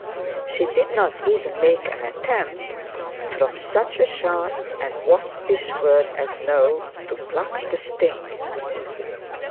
She did not even make an attempt >From such a sharp and waspish word as 'no' To pluck the string.